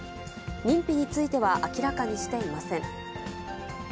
認否については明らかにしていません。